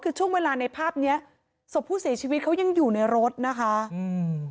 คือช่วงเวลาในภาพเนี้ยศพผู้เสียชีวิตเขายังอยู่ในรถนะคะอืม